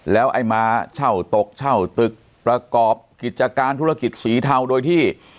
แล้วไอ้มาเช่าตกเช่าตึกประกอบกิจการธุรกิจสีเทาโดยที่